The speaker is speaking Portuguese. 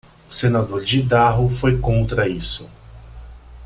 O senador de Idaho foi contra isso.